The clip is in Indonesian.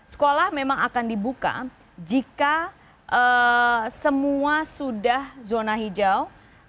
sekolah memang akan dibuka jika semua sudah zona hijau